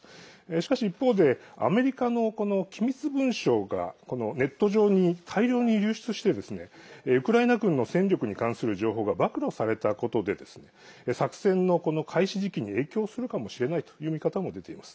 しかし一方でアメリカの機密文書がネット上に大量に流出してウクライナ軍の戦力に関する情報が暴露されたことで作戦の開始時期に影響するかもしれないという見方も出ています。